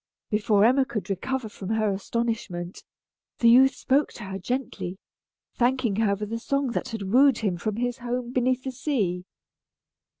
Before Emma could recover from her astonishment, the youth spoke to her gently, thanking her for the song that had wooed him from his home beneath the sea.